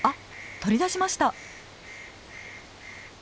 取り出しました。